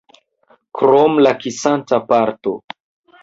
Krom la kisanta parto.